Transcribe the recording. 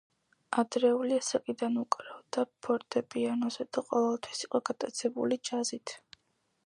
ადრეული ასაკიდან უკრავდა ფორტეპიანოზე და ყოველთვის იყო გატაცებული ჯაზით.